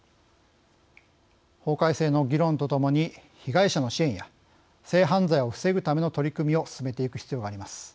法改正の議論とともに被害者の支援や性犯罪を防ぐための取り組みを進めていく必要があります。